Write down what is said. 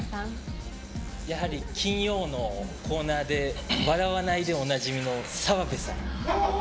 やはり金曜日のコーナーで笑わないでおなじみの澤部さん。